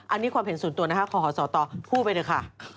อันนี้ความเห็นสูงตัวขอสอบต่อพูดไปหนึ่งค่ะ